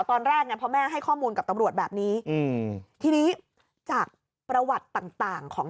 ตอนแรกเนี่ยเพราะแม่ให้ข้อมูลกับตำรวจแบบนี้อืมทีนี้จากประวัติต่างต่างของ